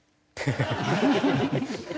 ハハハハ！